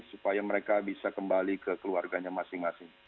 supaya mereka bisa kembali ke keluarganya masing masing